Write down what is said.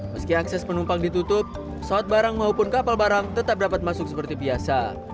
meski akses penumpang ditutup pesawat barang maupun kapal barang tetap dapat masuk seperti biasa